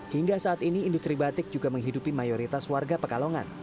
hingga saat ini industri batik juga menghidupi mayoritas warga pekalongan